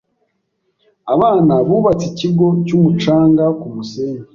Abana bubatse ikigo cyumucanga kumusenyi.